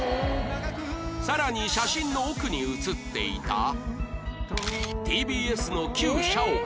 さらに写真の奥に写っていた ＴＢＳ の旧社屋